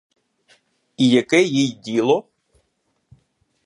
І яке їй діло?